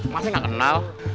masih gak kenal